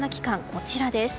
こちらです。